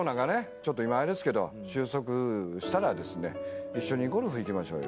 ちょっと今あれですけど収束したら一緒にゴルフ行きましょうよ。